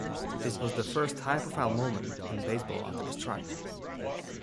This was the first high-profile moment in baseball after the strike.